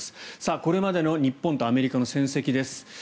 これまでの日本とアメリカの戦績です。